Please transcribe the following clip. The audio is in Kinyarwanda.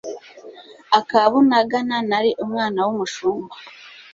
aka Bunagana nari umwana wumushumba